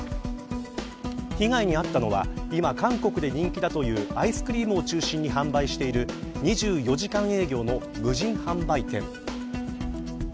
被害にあったのは今、韓国で人気だというアイスクリームを中心に販売している２４時間営業の無人販売店。